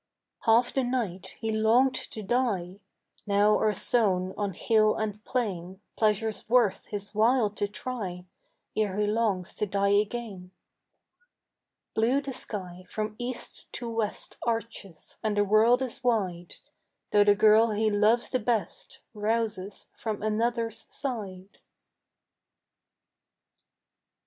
Half the night he longed to die, Now are sown on hill and plain Pleasures worth his while to try Ere he longs to die again. Blue the sky from east to west Arches, and the world is wide, Though the girl he loves the best Rouses from another's side.